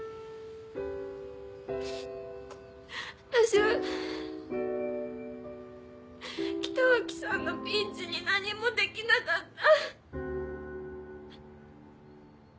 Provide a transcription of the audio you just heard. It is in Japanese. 私は北脇さんのピンチに何もできなかった。